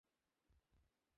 আমার মতে এটাই যথার্থ।